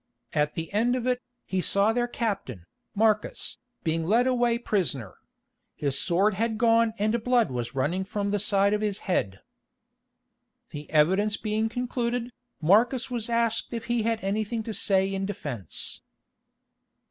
At the end of it, he saw their captain, Marcus, being led away prisoner. His sword had gone and blood was running from the side of his head. The evidence being concluded, Marcus was asked if he had anything to say in defence.